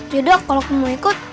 yaudah kalau kamu ikut